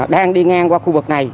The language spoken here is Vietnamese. đang đi ngang qua khu vực này